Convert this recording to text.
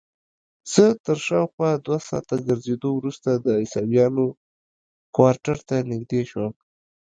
زه تر شاوخوا دوه ساعته ګرځېدو وروسته د عیسویانو کوارټر ته نږدې شوم.